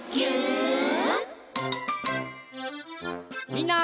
みんな。